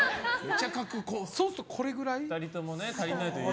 そうするとこれくらい？